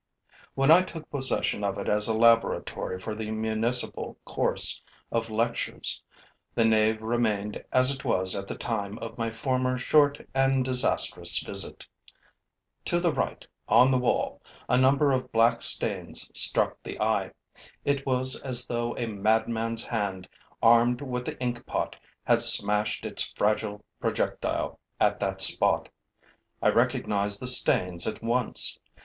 When I took possession of it as a laboratory for the municipal course of lectures, the nave remained as it was at the time of my former short and disastrous visit. To the right, on the wall, a number of black stains struck the eye. It was as though a madman's hand, armed with the inkpot, had smashed its fragile projectile at that spot. I recognized the stains at once.